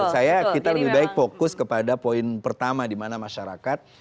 saya lebih baik fokus kepada poin pertama dimana masyarakat